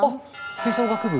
吹奏楽部？